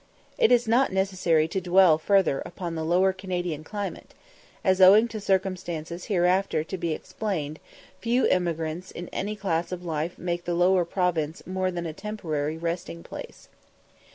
It is not necessary to dwell further upon the Lower Canadian climate, as, owing to circumstances hereafter to be explained, few emigrants in any class of life make the Lower Province more than a temporary resting place.